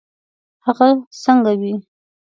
هغه څنګه وي.